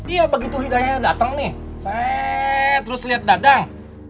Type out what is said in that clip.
iya begitu hidayahnya dateng nih saya terus liat dadang